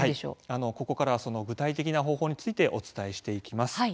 ここからはその具体的な方法についてお伝えしていきます。